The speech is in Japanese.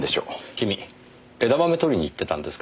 君枝豆採りに行ってたんですか？